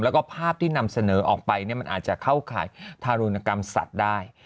แล้วก็ภาพที่นำเสนอออกไปมันอาจจะเข้าข่ายทารุณกรรมสัตว์ได้